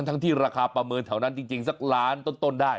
ที่ราคาประเมินแถวนั้นจริงสักล้านต้นได้